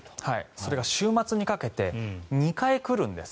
それが週末にかけて２回来るんです。